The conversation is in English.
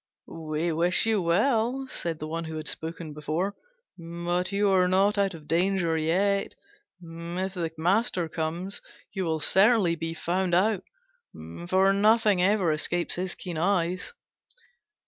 "We wish you well," said the one who had spoken before, "but you are not out of danger yet. If the master comes, you will certainly be found out, for nothing ever escapes his keen eyes."